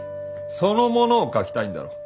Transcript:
そのものを描きたいんだろう。